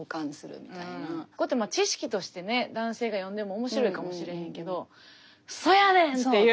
知識としてね男性が読んでも面白いかもしれへんけどそうやねん！っていう。